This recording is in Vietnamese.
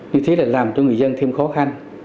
như thế là làm cho người dân thêm khó khăn